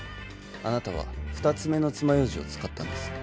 あなたは２つ目の爪楊枝を使ったんです